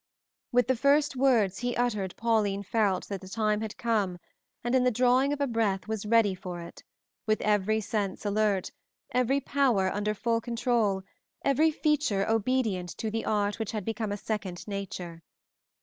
With the first words he uttered Pauline felt that the time had come, and in the drawing of a breath was ready for it, with every sense alert, every power under full control, every feature obedient to the art which had become a second nature.